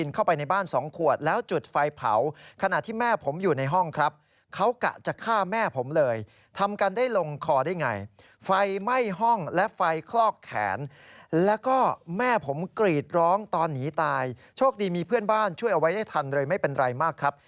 ข้อความเป็นแบบนี้ครับ